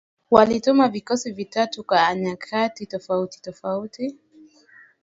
walituma vikosi vitatu kwa nyakati tofauti tofauti